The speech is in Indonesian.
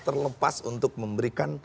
terlepas untuk memberikan